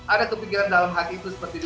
ada kepikiran dalam hal itu seperti itu